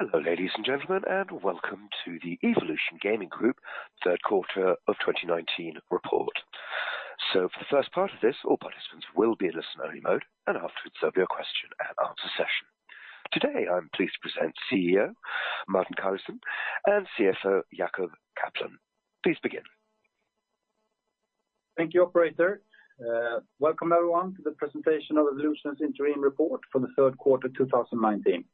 Hello, ladies and gentlemen, and welcome to the Evolution Gaming Group third quarter of 2019 report. For the first part of this, all participants will be in listen-only mode, and afterwards there'll be a question and answer session. Today, I'm pleased to present CEO Martin Carlesund and CFO Jacob Kaplan. Please begin. Thank you, operator. Welcome everyone to the presentation of Evolution's interim report for the third quarter 2019.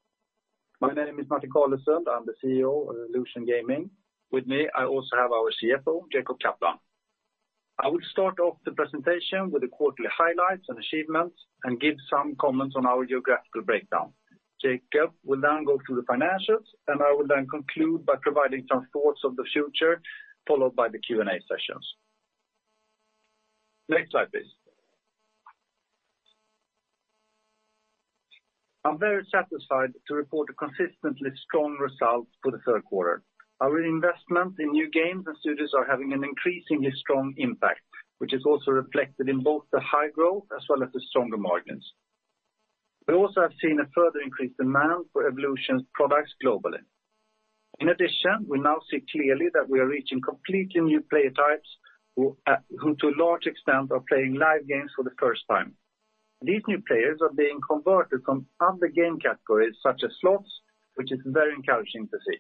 My name is Martin Carlesund, I'm the CEO of Evolution Gaming. With me, I also have our CFO, Jacob Kaplan. I will start off the presentation with the quarterly highlights and achievements and give some comments on our geographical breakdown. Jacob will then go through the financials, and I will then conclude by providing some thoughts on the future, followed by the Q&A sessions. Next slide, please. I'm very satisfied to report a consistently strong result for the third quarter. Our investment in new games and studios are having an increasingly strong impact, which is also reflected in both the high growth as well as the stronger margins. We also have seen a further increased demand for Evolution products globally. We now see clearly that we are reaching completely new player types who to a large extent are playing Live games for the first time. These new players are being converted from other game categories such as slots, which is very encouraging to see.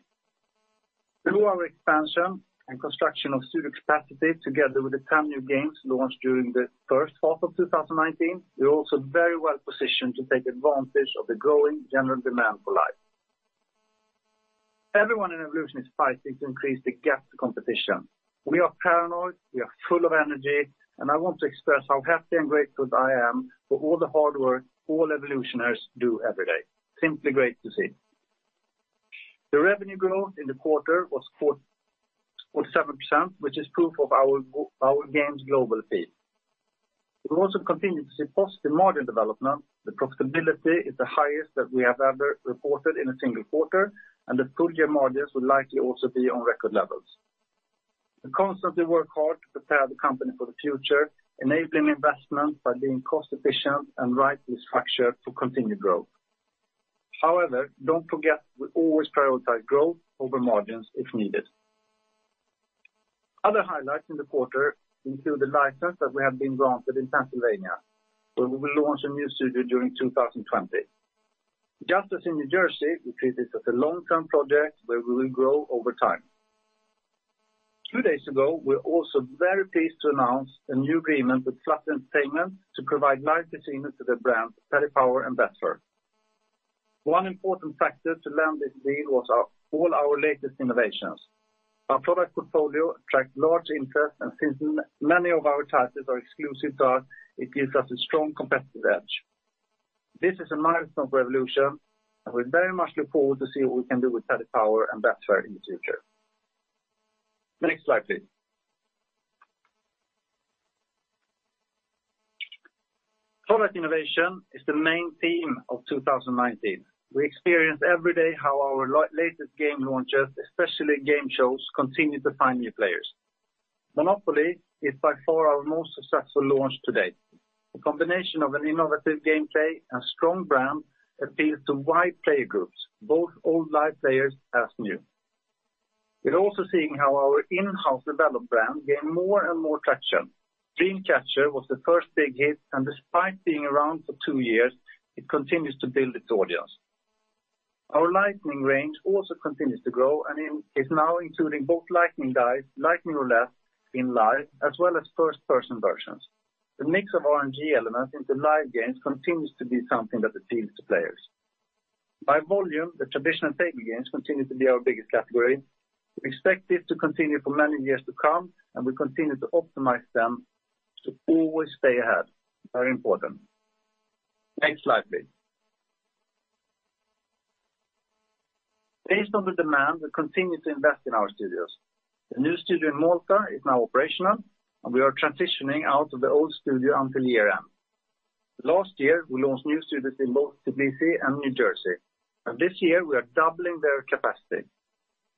Through our expansion and construction of studio capacity together with the 10 new games launched during the first half of 2019, we're also very well-positioned to take advantage of the growing general demand for Live. Everyone in Evolution is fighting to increase the gap to competition. We are paranoid, we are full of energy, and I want to express how happy and grateful I am for all the hard work all Evolutioners do every day. Simply great to see. The revenue growth in the quarter was 47%, which is proof of our games' global reach. We also continue to see positive margin development. The profitability is the highest that we have ever reported in a single quarter, and the full-year margins will likely also be on record levels. We constantly work hard to prepare the company for the future, enabling investment by being cost-efficient and right-structured for continued growth. However, don't forget we always prioritize growth over margins if needed. Other highlights in the quarter include the license that we have been granted in Pennsylvania, where we will launch a new studio during 2020. Just as in New Jersey, we treat it as a long-term project where we will grow over time. Two days ago, we're also very pleased to announce a new agreement with Flutter Entertainment to provide Live Casino to their brands Paddy Power and Betfair. One important factor to land this deal was all our latest innovations. Since many of our titles are exclusive to us, it gives us a strong competitive edge. This is a milestone for Evolution, We very much look forward to see what we can do with Paddy Power and Betfair in the future. Next slide, please. Product innovation is the main theme of 2019. We experience every day how our latest game launches, especially game shows, continue to find new players. MONOPOLY is by far our most successful launch to date. A combination of an innovative gameplay and strong brand appeals to wide player groups, both old Live players as new. We're also seeing how our in-house developed brand gain more and more traction. Dream Catcher was the first big hit, Despite being around for two years, it continues to build its audience. Our Lightning range also continues to grow and is now including both Lightning Dice, Lightning Roulette in Live, as well as first-person versions. The mix of RNG elements into Live games continues to be something that appeals to players. By volume, the traditional table games continue to be our biggest category. We expect it to continue for many years to come, and we continue to optimize them to always stay ahead. Very important. Next slide, please. Based on the demand, we continue to invest in our studios. The new studio in Malta is now operational, and we are transitioning out of the old studio until year-end. Last year, we launched new studios in both Tbilisi and New Jersey, and this year we are doubling their capacity.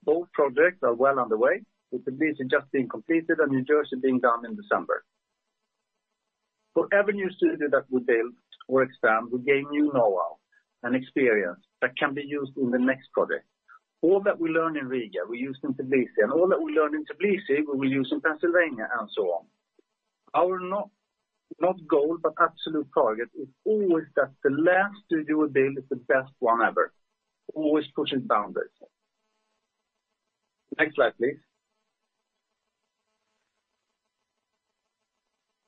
Both projects are well underway, with Tbilisi just being completed and New Jersey being done in December. For every new studio that we build or expand, we gain new knowhow and experience that can be used in the next project. All that we learn in Riga, we use in Tbilisi, and all that we learn in Tbilisi, we will use in Pennsylvania, and so on. Our not goal, but absolute target is always that the last studio we build is the best one ever. Always pushing boundaries. Next slide, please.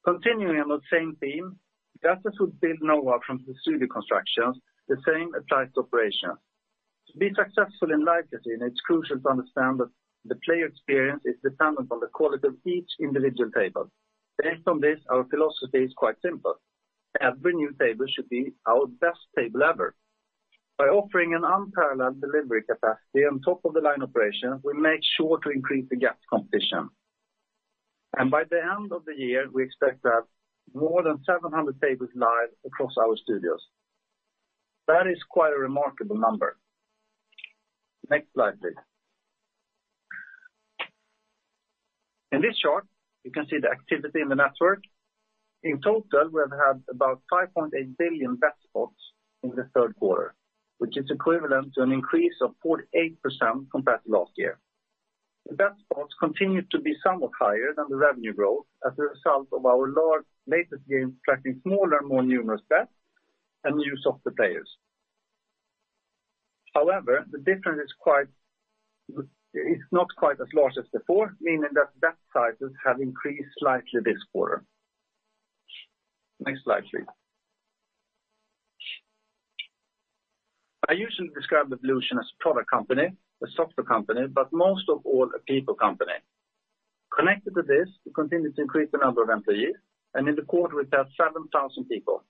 Continuing on that same theme, just as we build knowhow from the studio constructions, the same applies to operations. To be successful in Live Casino, it is crucial to understand that the player experience is dependent on the quality of each individual table. Based on this, our philosophy is quite simple. Every new table should be our best table ever. By offering an unparalleled delivery capacity on top-of-the-line operation, we make sure to increase the gap to competition. By the end of the year, we expect to have more than 700 tables live across our studios. That is quite a remarkable number. Next slide, please. In this chart, you can see the activity in the network. In total, we have had about 5.8 billion bet spots in the third quarter, which is equivalent to an increase of 48% compared to last year. The bet spots continued to be somewhat higher than the revenue growth as a result of our latest games attracting smaller and more numerous bets and new software players. However, the difference is not quite as large as before, meaning that bet sizes have increased slightly this quarter. Next slide, please. I usually describe Evolution as a product company, a software company, but most of all, a people company. Connected to this, we continue to increase the number of employees, and in the quarter, we passed 7,000 people.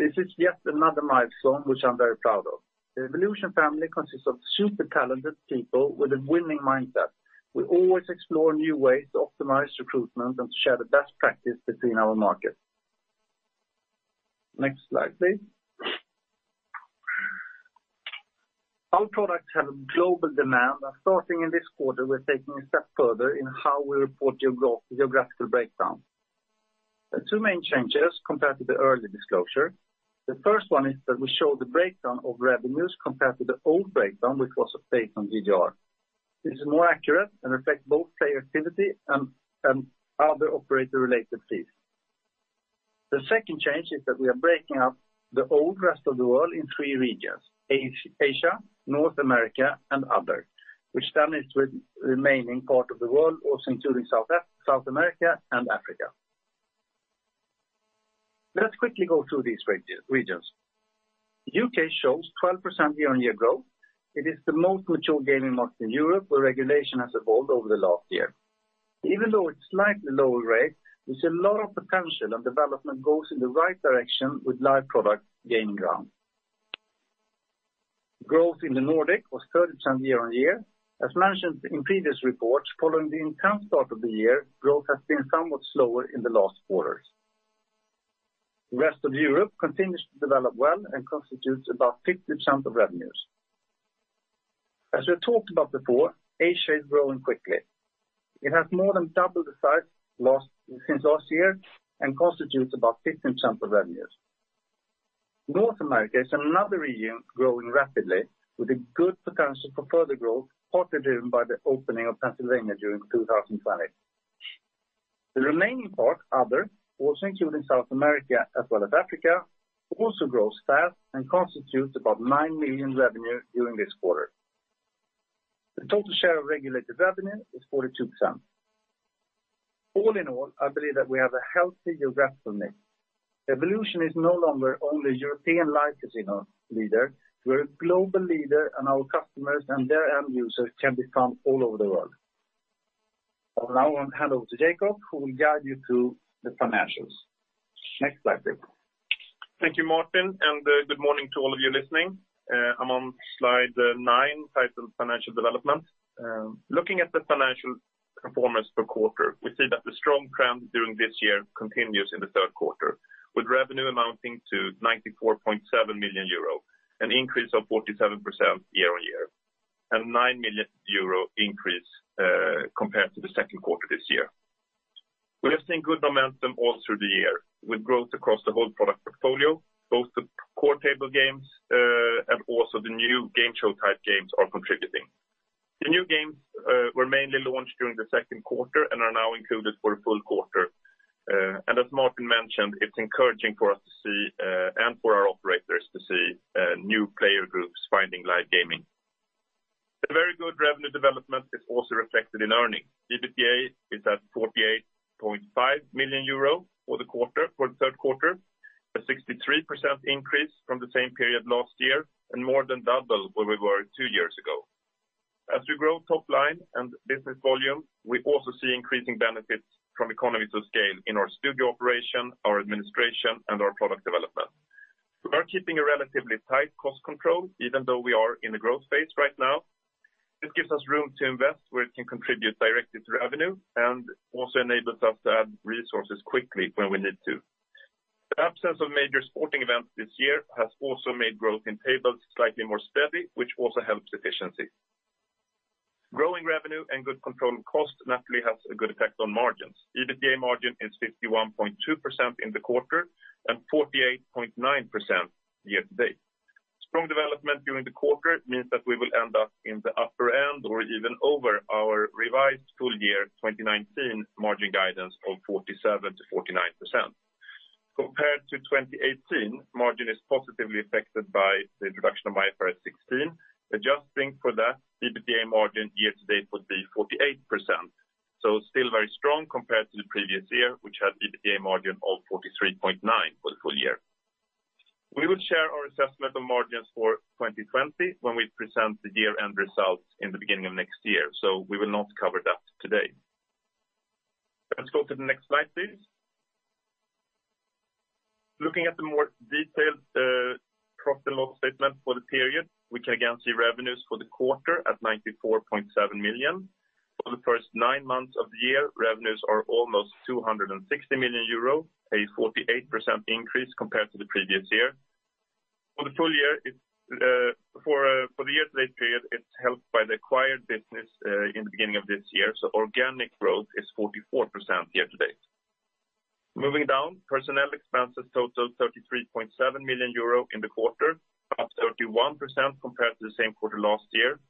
This is yet another milestone, which I'm very proud of. The Evolution family consists of super talented people with a winning mindset. We always explore new ways to optimize recruitment and to share the best practice between our markets. Next slide, please. Our products have a global demand. Starting in this quarter, we're taking a step further in how we report geographical breakdown. There are two main changes compared to the earlier disclosure. The first one is that we show the breakdown of revenues compared to the old breakdown, which was based on GGR. This is more accurate and affects both player activity and other operator-related fees. The second change is that we are breaking up the old rest of the world in three regions, Asia, North America, and other, which then is with remaining part of the world, also including South America and Africa. Let's quickly go through these regions. U.K. shows 12% year-on-year growth. It is the most mature gaming market in Europe, where regulation has evolved over the last year. Even though it's slightly lower rate, there's a lot of potential, and development goes in the right direction with Live product gaining ground. Growth in the Nordic was 30% year-on-year. As mentioned in previous reports, following the intense start of the year, growth has been somewhat slower in the last quarters. The rest of Europe continues to develop well and constitutes about 50% of revenues. As we talked about before, Asia is growing quickly. It has more than doubled the size since last year and constitutes about 15% of revenues. North America is another region growing rapidly with a good potential for further growth, partly driven by the opening of Pennsylvania during 2020. The remaining part, other, also including South America as well as Africa, also grows fast and constitutes about 9 million revenue during this quarter. The total share of regulated revenue is 42%. All in all, I believe that we have a healthy geographic mix. Evolution is no longer only a European Live Casino leader. Our customers and their end users can be found all over the world. I will now hand over to Jacob, who will guide you through the financials. Next slide, please. Thank you, Martin, and good morning to all of you listening. I'm on slide nine, titled Financial Development. Looking at the financial performance per quarter, we see that the strong trend during this year continues in the third quarter, with revenue amounting to 94.7 million euro, an increase of 47% year-on-year, and 9 million euro increase compared to the second quarter this year. We have seen good momentum all through the year with growth across the whole product portfolio. Both the core table games and also the new game show type games are contributing. The new games were mainly launched during the second quarter and are now included for a full quarter. As Martin mentioned, it's encouraging for us to see, and for our operators to see new player groups finding live gaming. The very good revenue development is also reflected in earnings. EBITDA is at €48.5 million for the third quarter, a 63% increase from the same period last year and more than double where we were two years ago. As we grow top line and business volume, we also see increasing benefits from economies of scale in our studio operation, our administration, and our product development. We are keeping a relatively tight cost control even though we are in the growth phase right now. This gives us room to invest where it can contribute directly to revenue and also enables us to add resources quickly when we need to. The absence of major sporting events this year has also made growth in tables slightly more steady, which also helps efficiency. Growing revenue and good controlling cost naturally has a good effect on margins. EBITDA margin is 51.2% in the quarter and 48.9% year to date. Strong development during the quarter means that we will end up in the upper end or even over our revised full year 2019 margin guidance of 47%-49%. Compared to 2018, margin is positively affected by the introduction of IFRS 16. Adjusting for that, EBITDA margin year to date would be 48%. Still very strong compared to the previous year, which had EBITDA margin of 43.9% for the full year. We will share our assessment on margins for 2020 when we present the year-end results in the beginning of next year. We will not cover that today. Let's go to the next slide, please. Looking at the more detailed profit and loss statement for the period, we can again see revenues for the quarter at 94.7 million. For the first nine months of the year, revenues are almost 260 million euro, a 48% increase compared to the previous year. For the full year, for the year-to-date period, it's helped by the acquired business in the beginning of this year, organic growth is 44% year-to-date. Moving down, personnel expenses total 33.7 million euro in the quarter, up 31% compared to the same quarter last year.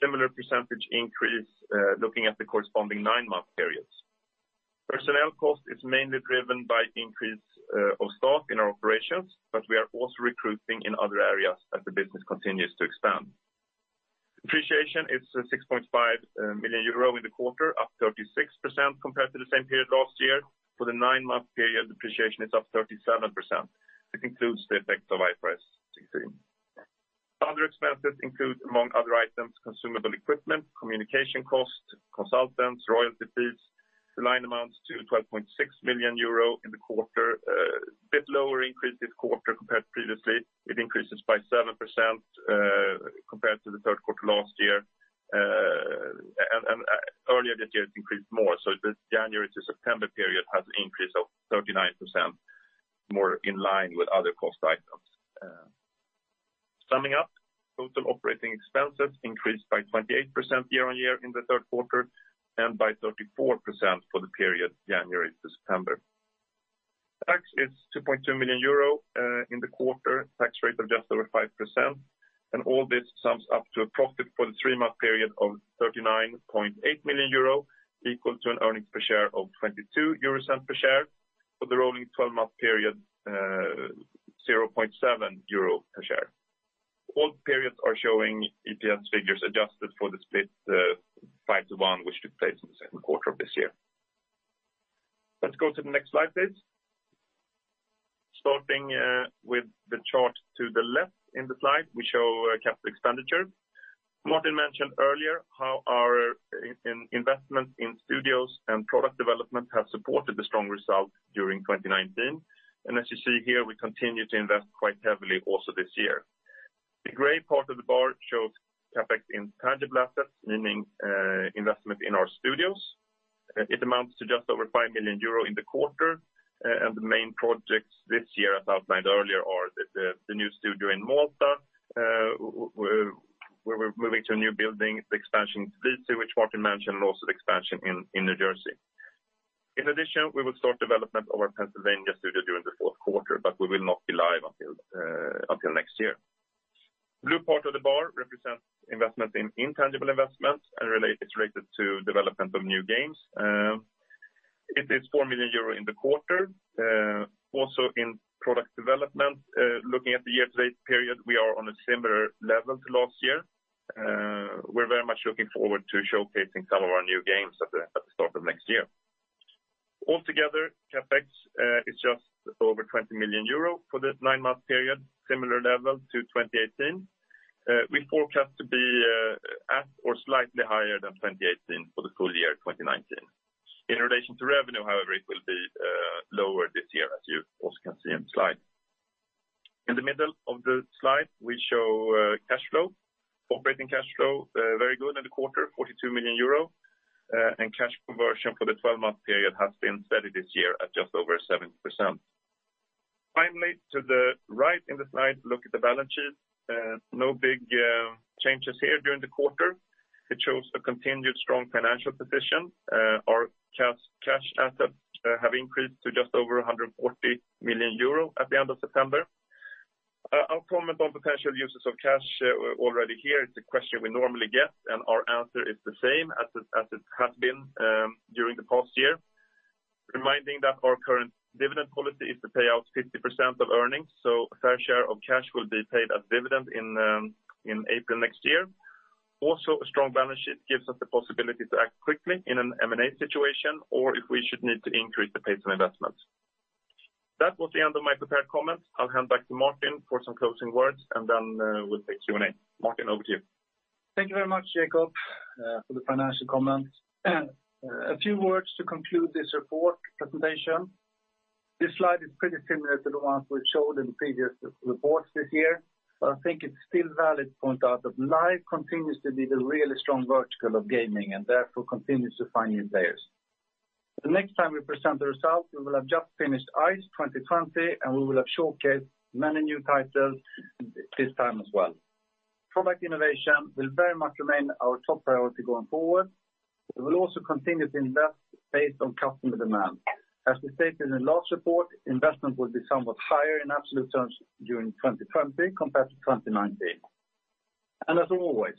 Similar percentage increase looking at the corresponding nine-month periods. Personnel cost is mainly driven by increase of staff in our operations, we are also recruiting in other areas as the business continues to expand. Depreciation is 6.5 million euro in the quarter, up 36% compared to the same period last year. For the nine-month period, depreciation is up 37%, which includes the effects of IFRS 16. Other expenses include, among other items, consumable equipment, communication cost, consultants, royalty fees. The line amounts to 12.6 million euro in the quarter. A bit lower increase this quarter compared previously. It increases by 7% compared to the third quarter last year. Earlier this year it increased more, so the January to September period has an increase of 39%, more in line with other cost items. Summing up, total operating expenses increased by 28% year-over-year in the third quarter and by 34% for the period January to September. Tax is 2.2 million euro in the quarter, tax rate of just over 5%, and all this sums up to a profit for the three-month period of 39.8 million euro, equal to an earnings per share of 0.22 per share. For the rolling 12-month period, 0.7 euro per share. All periods are showing EPS figures adjusted for the split five to one, which took place in the second quarter of this year. Let's go to the next slide, please. Starting with the chart to the left in the slide, we show capital expenditure. Martin mentioned earlier how our investment in studios and product development have supported the strong result during 2019. As you see here, we continue to invest quite heavily also this year. The gray part of the bar shows CapEx in tangible assets, meaning investment in our studios. It amounts to just over 5 million euro in the quarter. The main projects this year, as outlined earlier, are the new studio in Malta, where we're moving to a new building. The expansion in Tbilisi, which Martin mentioned, and also the expansion in New Jersey. In addition, we will start development of our Pennsylvania studio during the fourth quarter, but we will not be live until next year. Blue part of the bar represents investment in intangible investments, and it's related to development of new games. It is 4 million euro in the quarter. Also in product development, looking at the nine-month period, we are on a similar level to last year. We're very much looking forward to showcasing some of our new games at the start of next year. Altogether, CapEx is just over 20 million euro for the nine-month period, similar level to 2018. We forecast to be at or slightly higher than 2018 for the full year 2019. In relation to revenue, however, it will be lower this year, as you also can see in the slide. In the middle of the slide, we show cash flow. Operating cash flow very good in the quarter, 42 million euro, and cash conversion for the 12-month period has been steady this year at just over 7%. Finally, to the right in the slide, look at the balance sheet. No big changes here during the quarter. It shows a continued strong financial position. Our cash assets have increased to just over 140 million euro at the end of September. I'll comment on potential uses of cash already here. It's a question we normally get, and our answer is the same as it has been during the past year. Reminding that our current dividend policy is to pay out 50% of earnings, so a fair share of cash will be paid as dividend in April next year. A strong balance sheet gives us the possibility to act quickly in an M&A situation or if we should need to increase the pace on investments. That was the end of my prepared comments. I'll hand back to Martin for some closing words, and then we'll take Q&A. Martin, over to you. Thank you very much, Jacob, for the financial comments. A few words to conclude this report presentation. This slide is pretty similar to the ones we've showed in previous reports this year. I think it's still valid to point out that Live continues to be the really strong vertical of gaming and therefore continues to find new players. The next time we present the results, we will have just finished ICE 2020. We will have showcased many new titles this time as well. Product innovation will very much remain our top priority going forward. We will also continue to invest based on customer demand. As we stated in the last report, investment will be somewhat higher in absolute terms during 2020 compared to 2019. As always,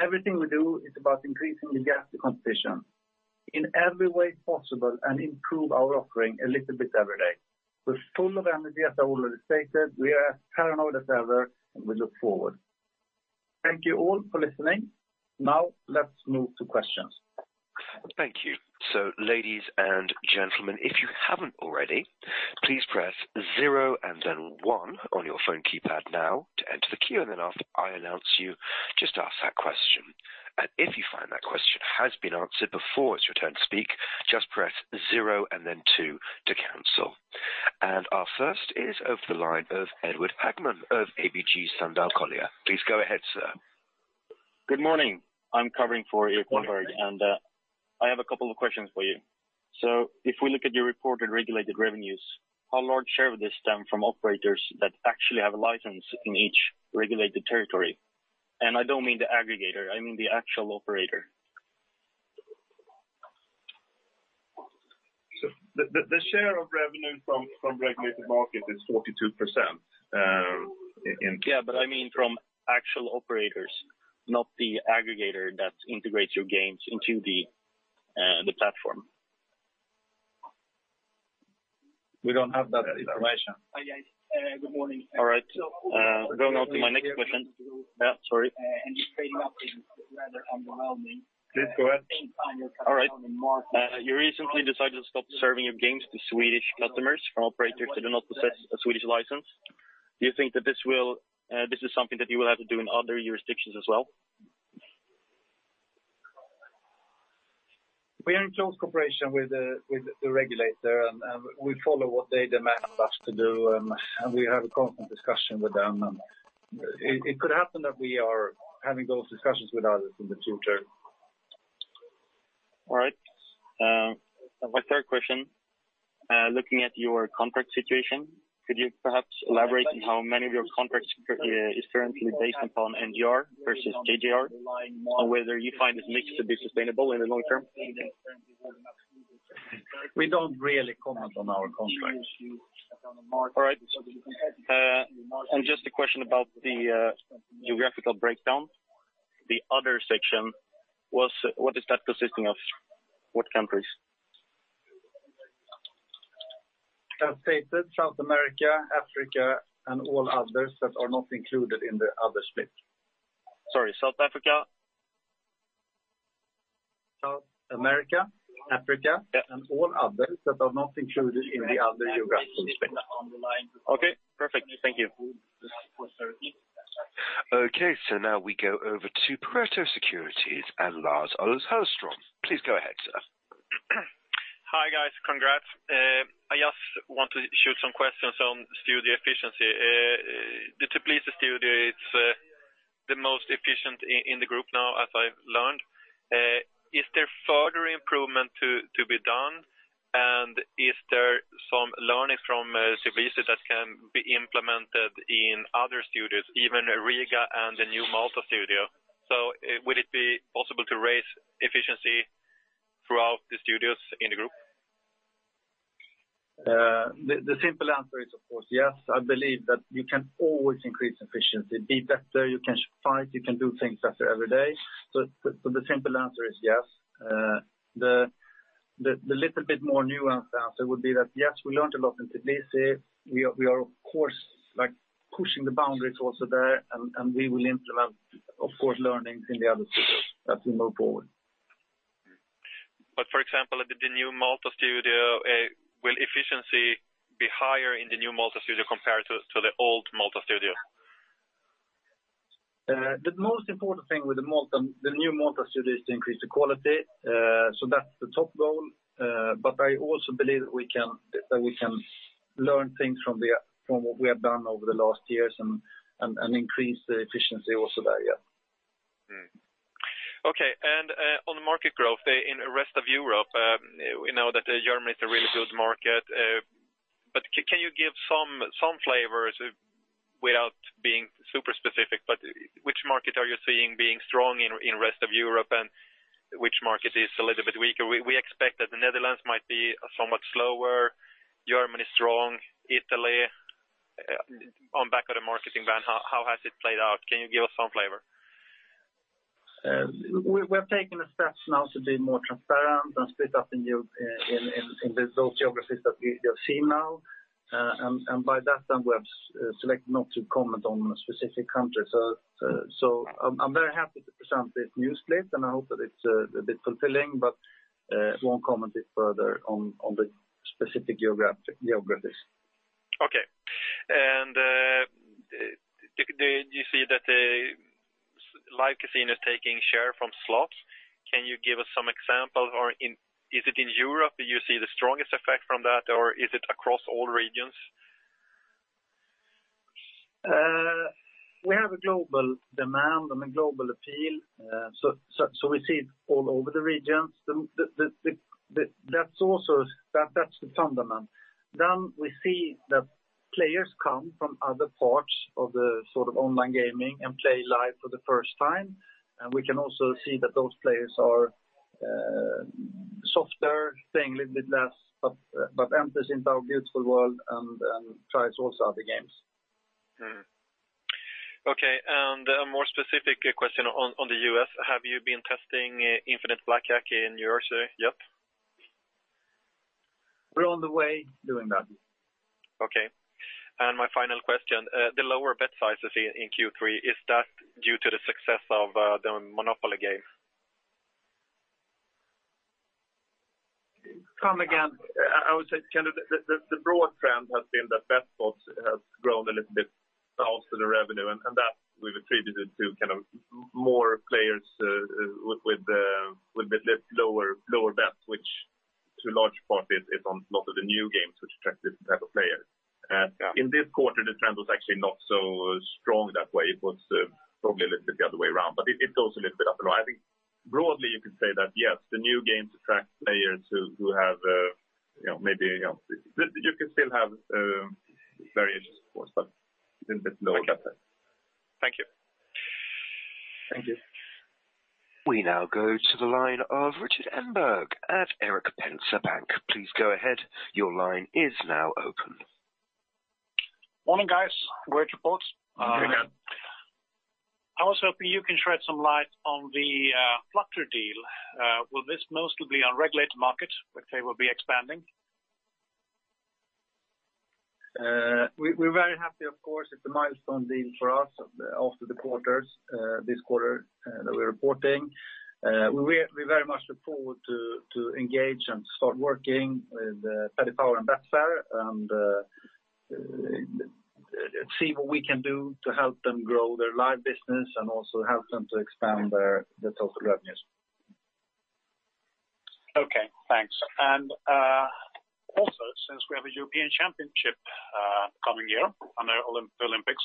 everything we do is about increasing the gap to competition in every way possible and improve our offering a little bit every day. We're full of energy, as I already stated. We are as paranoid as ever, and we look forward. Thank you all for listening. Now, let's move to questions. Thank you. Ladies and gentlemen, if you haven't already, please press zero and then one on your phone keypad now to enter the queue. Then after I announce you, just ask that question. If you find that question has been answered before it's your turn to speak, just press zero and then two to cancel. Our first is over the line of Per Hagman of ABG Sundal Collier. Please go ahead, sir. Good morning. I'm covering for and I have a couple of questions for you. If we look at your reported regulated revenues, how large share of this stem from operators that actually have a license in each regulated territory? I don't mean the aggregator, I mean the actual operator. The share of revenue from regulated market is 42%. Yeah, I mean from actual operators, not the aggregator that integrates your games into the platform. We don't have that information. Hi, guys. Good morning. All right. Going on to my next question. Yeah, sorry. Your trading update was rather underwhelming. Please go ahead. All right. You recently decided to stop serving your games to Swedish customers from operators that do not possess a Swedish license. Do you think that this is something that you will have to do in other jurisdictions as well? We are in close cooperation with the regulator, and we follow what they demand us to do. We have a constant discussion with them, and it could happen that we are having those discussions with others in the future. All right. My third question, looking at your contract situation, could you perhaps elaborate on how many of your contracts is currently based upon NGR versus GGR, on whether you find this mix to be sustainable in the long term? We don't really comment on our contracts. All right. Just a question about the geographical breakdown. The other section, what is that consisting of? What countries? As stated South America, Africa, and all others that are not included in the other split. Sorry, South Africa? South America, Africa. Yeah All others that are not included in the other geographical split. Okay, perfect. Thank you. Now we go over to Pareto Securities and Lars-Ola Hellström. Please go ahead, sir. Hi, guys. Congrats. I just want to shoot some questions on studio efficiency. The Tbilisi studio, it's the most efficient in the group now as I've learned. Is there further improvement to be done? Is there some learning from Tbilisi that can be implemented in other studios, even Riga and the new Malta studio? Will it be possible to raise efficiency throughout the studios in the group? The simple answer is of course, yes. I believe that you can always increase efficiency. Be better, you can fight, you can do things better every day. The simple answer is yes. The little bit more nuanced answer would be that yes, we learned a lot in Tbilisi. We are of course pushing the boundaries also there, and we will implement of course learnings in the other studios as we move forward. For example, the new Malta studio, will efficiency be higher in the new Malta studio compared to the old Malta studio? The most important thing with the new Malta studio is to increase the quality. That's the top goal. I also believe that we can learn things from what we have done over the last years and increase the efficiency also there, yeah. Okay. On the market growth in rest of Europe, we know that Germany is a really good market. Can you give some flavors without being super specific, but which market are you seeing being strong in rest of Europe and which market is a little bit weaker? We expect that the Netherlands might be somewhat slower. Germany is strong. Italy, on back of the marketing ban, how has it played out? Can you give us some flavor? We're taking the steps now to be more transparent and split up in those geographies that we see now. By that time, we have selected not to comment on specific countries. I'm very happy to present this news clip, and I hope that it's a bit fulfilling, but won't comment it further on the specific geographies. Okay. Do you see that Live Casino is taking share from slots? Can you give us some examples, or is it in Europe you see the strongest effect from that, or is it across all regions? We have a global demand and a global appeal. We see it all over the regions. That's the fundament. We see that players come from other parts of the online gaming and play Live for the first time. We can also see that those players are softer, playing a little bit less, but enters into our beautiful world and tries also other games. Okay. A more specific question on the U.S. Have you been testing Infinite Blackjack in New Jersey yet? We're on the way doing that. Okay. My final question, the lower bet sizes in Q3, is that due to the success of the MONOPOLY Live? Come again? I would say, the broad trend has been that bet spots has grown a little bit to the revenue, and that we've attributed to more players with the lower bets, which to a large part is on lot of the new games which attract different type of players. In this quarter, the trend was actually not so strong that way. It was probably a little bit the other way around, but it's also a little bit up. I think broadly you could say that, yes, the new games attract players who have maybe. You can still have variations, of course, but a little bit lower than that. Thank you. Thank you. We now go to the line of Richard Stuber at Erik Penser Bank. Please go ahead. Your line is now open. Morning, guys. Great reports. Thank you. I was hoping you can shed some light on the Flutter deal. Will this mostly be on regulated markets, which they will be expanding? We're very happy, of course. It's a milestone deal for us after the quarters, this quarter that we're reporting. We very much look forward to engage and start working with Paddy Power and Betfair, and see what we can do to help them grow their live business and also help them to expand their total revenues. Okay, thanks. Also since we have a European Championship coming year and the Olympics,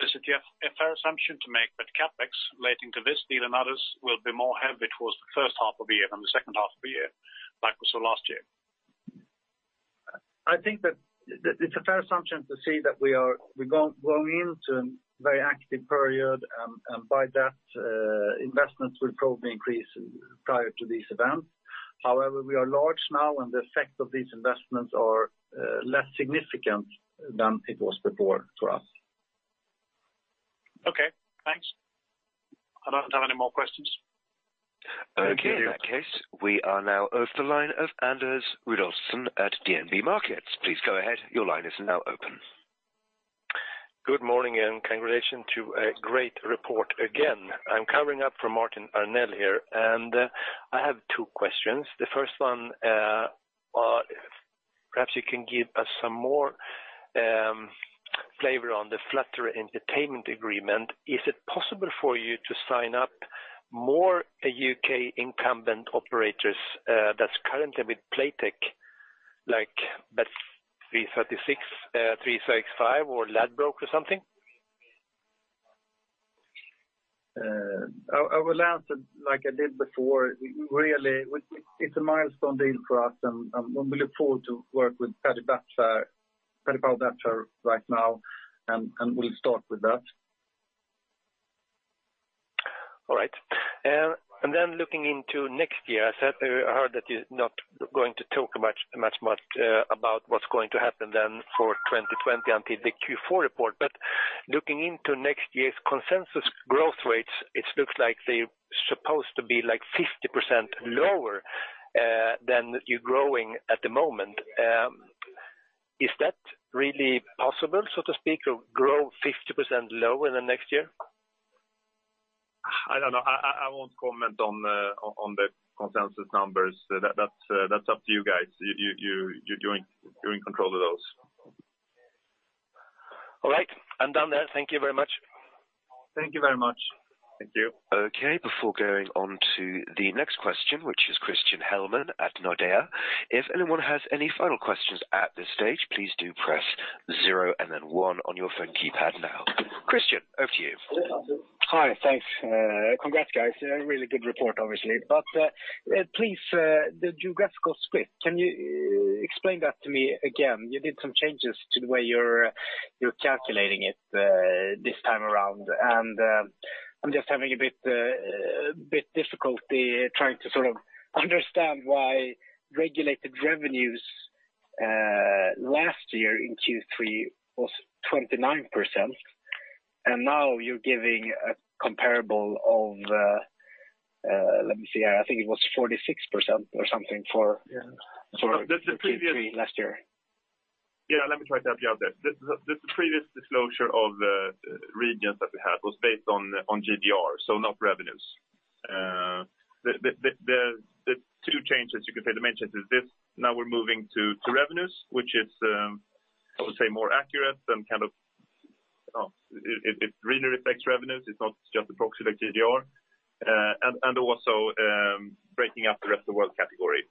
is it a fair assumption to make that CapEx relating to this deal and others will be more heavy towards the first half of the year than the second half of the year, like was the last year? I think that it's a fair assumption to say that we're going into a very active period and by that, investments will probably increase prior to these events. However, we are large now, and the effect of these investments are less significant than it was before to us. Okay, thanks. I don't have any more questions. Okay. In that case, we are now over the line of Anders Rudolfsson at DNB Markets. Please go ahead. Your line is now open. Good morning, and congratulations to a great report again. I'm covering up for Martin Arnell here, and I have two questions. The first one, perhaps you can give us some more flavor on the Flutter Entertainment agreement. Is it possible for you to sign up more U.K. incumbent operators that's currently with Playtech, like Bet365 or Ladbrokes or something? I will answer like I did before. Really, it's a milestone deal for us. We look forward to work with Paddy Power Betfair right now. We'll start with that. All right. Looking into next year, I heard that you're not going to talk much about what's going to happen then for 2020 until the Q4 report. Looking into next year's consensus growth rates, it looks like they're supposed to be 50% lower than you're growing at the moment. Is that really possible, so to speak, to grow 50% lower than next year? I don't know. I won't comment on the consensus numbers. That's up to you guys. You're in control of those. All right. I'm done there. Thank you very much. Thank you very much. Thank you. Okay. Before going on to the next question, which is Christian Hellman at Nordea, if anyone has any final questions at this stage, please do press zero and then one on your phone keypad now. Christian, over to you. Hello. Hi. Thanks. Congrats, guys. A really good report, obviously. Please, the geographical split, can you explain that to me again? You did some changes to the way you're calculating it this time around, I'm just having a bit difficulty trying to sort of understand why regulated revenues last year in Q3 was 29%. Now you're giving a comparable of, let me see, I think it was 46% or something. Yeah Q3 last year. Yeah, let me try to help you out there. The previous disclosure of the regions that we had was based on GGR, so not revenues. The two changes you could say dimensions is this, now we're moving to revenues, which is, I would say, more accurate and kind of it really reflects revenues. It's not just approximate GGR. Also, breaking up the rest of the world category.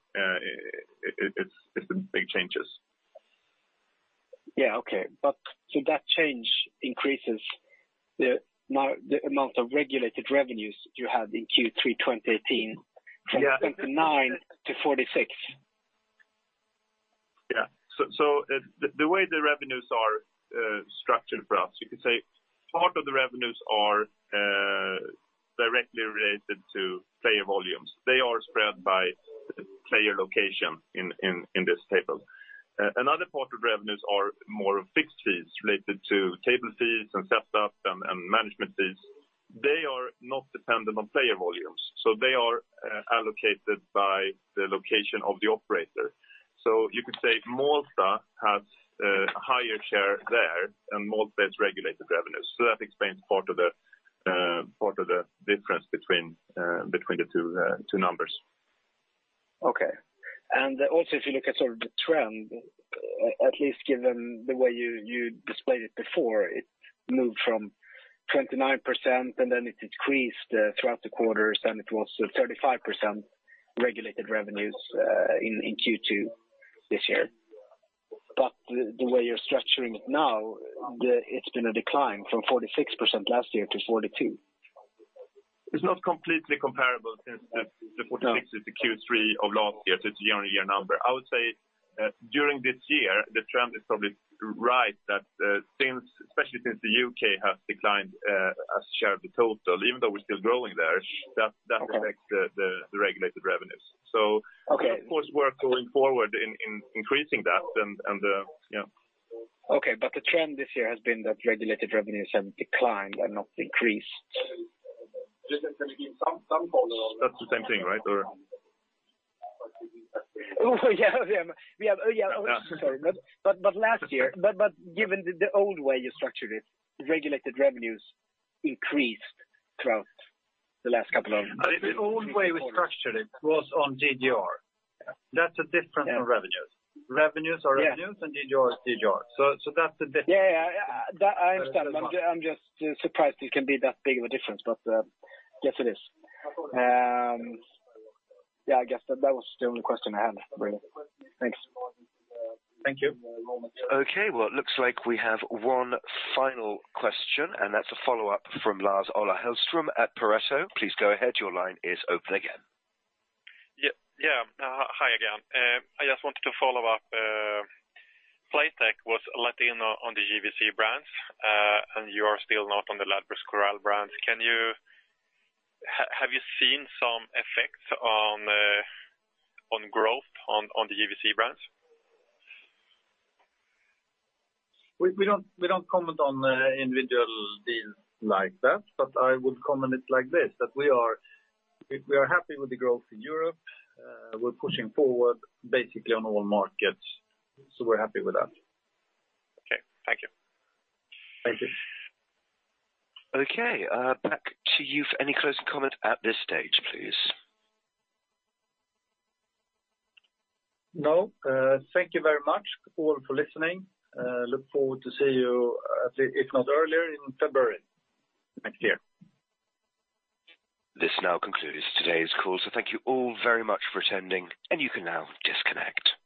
It's been big changes. Yeah, okay. That change increases the amount of regulated revenues you had in Q3 2018. Yeah from 29%-46%. Yeah. The way the revenues are structured for us, you could say part of the revenues are directly related to player volumes. They are spread by player location in this table. Another part of revenues are more fixed fees related to table fees and setup and management fees. They are not dependent on player volumes, so they are allocated by the location of the operator. You could say Malta has a higher share there, and Malta has regulated revenues. That explains part of the difference between the two numbers. Okay. Also, if you look at sort of the trend, at least given the way you displayed it before, it moved from 29% and then it decreased throughout the quarters, then it was 35% regulated revenues in Q2 this year. The way you're structuring it now, it's been a decline from 46% last year to 42%. It's not completely comparable since the 46 is the Q3 of last year, so it's a year-on-year number. I would say that during this year, the trend is probably right, especially since the U.K. has declined as share of the total, even though we're still growing there, that affects the regulated revenues. Okay. Of course, we're going forward in increasing that. Okay. The trend this year has been that regulated revenues have declined and not increased. That's the same thing, right? Oh, yeah. Sorry. Given the old way you structured it, regulated revenues increased throughout the last couple of. The old way we structured it was on GGR. That is different from revenues. Revenues are revenues, and GGR is GGR. That is the difference. Yeah. I understand. I am just surprised it can be that big of a difference. Yes, it is. Yeah, I guess that was the only question I had, really. Thanks. Thank you. Okay. Well, it looks like we have one final question. That's a follow-up from Lars-Ola Hellström at Pareto. Please go ahead. Your line is open again. Hi again. I just wanted to follow up. Playtech was letting on the GVC brands. You are still not on the Ladbrokes Coral brands. Have you seen some effects on growth on the GVC brands? We don't comment on individual deals like that, but I would comment it like this, that we are happy with the growth in Europe. We're pushing forward basically on all markets, so we're happy with that. Okay. Thank you. Thank you. Okay, back to you for any closing comment at this stage, please. No. Thank you very much all for listening. Look forward to see you, if not earlier, in February. Thank you. This now concludes today's call. Thank you all very much for attending, and you can now disconnect.